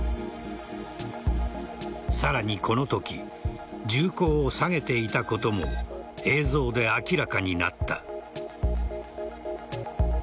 さらにこのとき銃口を下げていたことも映像で明らかになった。